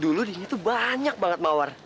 dulu di sini tuh banyak banget mawar